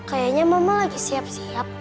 kayaknya mama lagi siap siap